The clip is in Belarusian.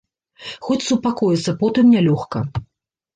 Хоць супакоіцца потым нялёгка.